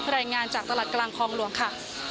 รายงานจากตลาดกลางคลองหลวงค่ะ